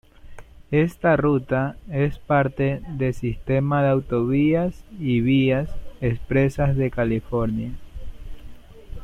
Esta ruta es parte de Sistema de Autovías y Vías Expresas de California.